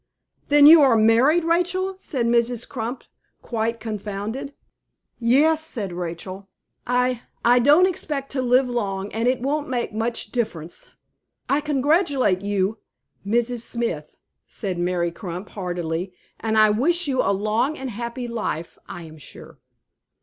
"Then you are married, Rachel," said Mrs. Crump, quite confounded. "Yes," said Rachel; "I I don't expect to live long, and it won't make much difference." "I congratulate you, Mrs. Smith," said Mary Crump, heartily; "and I wish you a long and happy life, I am sure."